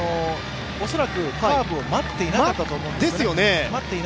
恐らくカーブを待っていなかったと思うんですね。